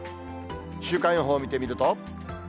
週間予報見てみると。